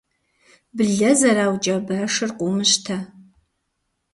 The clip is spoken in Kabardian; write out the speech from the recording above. Блэ зэраукӏа башыр къыумыщтэ.